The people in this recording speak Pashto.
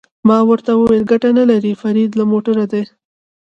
ما ورته وویل: ګټه نه لري، فرید له موټره دې.